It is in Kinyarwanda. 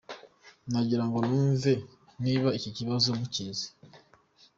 Nagira ngo numve niba iki kibazo mukizi.